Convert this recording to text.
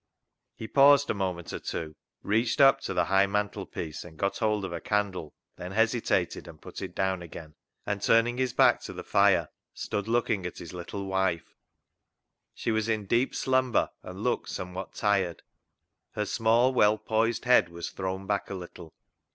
He paused a moment or two, reached up to the high mantelpiece and got hold of a candle, then hesitated and put it down again, and turn ing his back to the fire, stood looking at his little wife. She was in deep slumber, and looked somewhat tired. Her small, well poised head was thrown back a little.